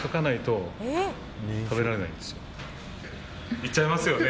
いっちゃいますよね。